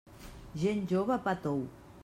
Gent jove, pa tou.